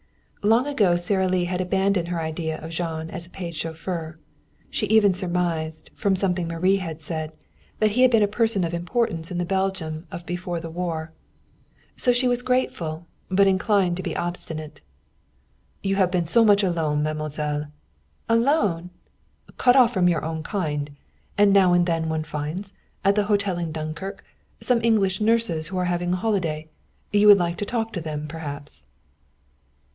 Long ago Sara Lee had abandoned her idea of Jean as a paid chauffeur. She even surmised, from something Marie had said, that he had been a person of importance in the Belgium of before the war. So she was grateful, but inclined to be obstinate. "You have been so much alone, mademoiselle " "Alone!" "Cut off from your own kind. And now and then one finds, at the hotel in Dunkirk, some English nurses who are having a holiday. You would like to talk to them perhaps."